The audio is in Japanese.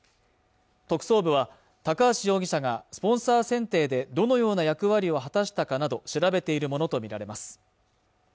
特捜部は高橋容疑者がスポンサー選定でどのような役割を果たしたかなど調べているものと見られます